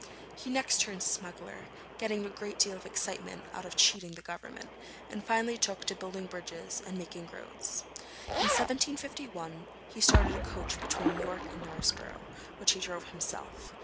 He next turned smuggler, getting a great deal of excitement out of cheating the Government, and finally took to building bridges and making roads. In 1751 he started a coach between York and Knaresborough, which he drove himself.